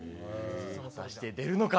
果たして出るのか。